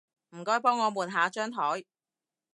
唔該幫我抹下張枱